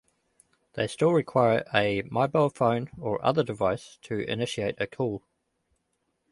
They still require a mobile phone or other device to initiate a call.